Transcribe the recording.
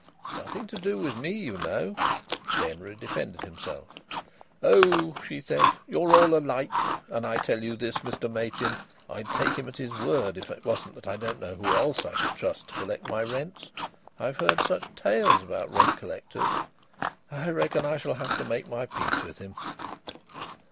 "Nothing to do with me, you know!" Denry defended himself. "Oh!" she said, "you're all alike, and I'll tell you this, Mr Machin, I'd take him at his word if it wasn't that I don't know who else I could trust to collect my rents. I've heard such tales about rent collectors.... I reckon I shall have to make my peace with him."